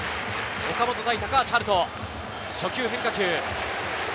岡本対高橋遥人、初球変化球。